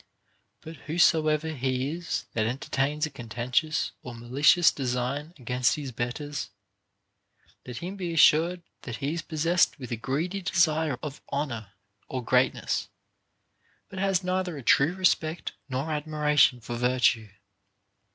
But whosoever he is that entertains a contentious or malicious design against his betters, let him be assured that he is possessed with a greedy desire of honor or greatness, but has neither a true respect nor admiration for virtue.